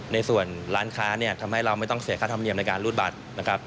ในส่วนร้านค้าเนี่ยทำให้เราไม่ต้องเสียค่าธรรมเนียมในการรูดบัตรนะครับ